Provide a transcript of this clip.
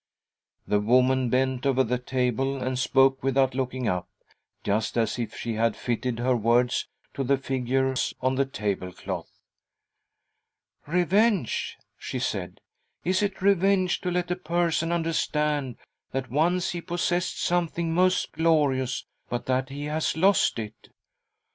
The woman bent over the table and spoke with out looking up, just as if she had fitted her words to the figures on the tablecloth. >■ r t :'/"■>■'"'"'• T ~~""\~ A CALL FROM THE PAST 85 "Revenge?" she said. "Is it revenge to let • a person understand that once he possessed some thing most glorious, but that he has lost it